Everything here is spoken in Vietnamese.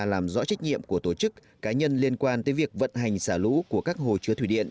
làm rõ trách nhiệm của tổ chức cá nhân liên quan tới việc vận hành xả lũ của các hồ chứa thủy điện